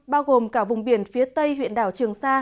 bao gồm cả vùng biển phía tây huyện đảo trường sa